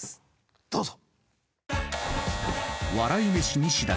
どうぞ。